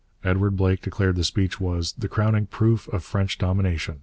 Edward Blake declared the speech was 'the crowning proof of French domination.